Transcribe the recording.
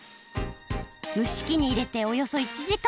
むしきに入れておよそ１じかん。